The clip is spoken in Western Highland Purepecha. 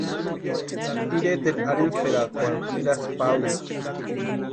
Iretaeri arhintsperakwarhu nirasti Paula.